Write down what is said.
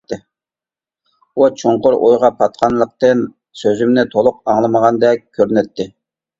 ئۇ چوڭقۇر ئويغا پاتقانلىقتىن سۆزۈمنى تولۇق ئاڭلىمىغاندەك كۆرۈنەتتى.